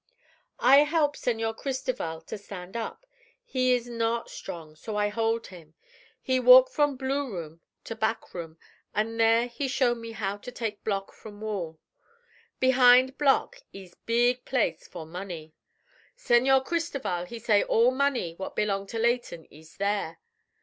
"I help Senor Cristoval to stand up. He ees not strong, so I hold him. He walk from blue room to back room an' there he show me how to take block from wall. Behind block ees big place for money. Señor Cristoval he say all money what belong to Leighton ees there.